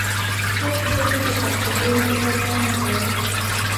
کوږ ذهن له تجربې نه زده کړه نه کوي